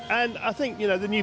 dan saya pikir pssi baru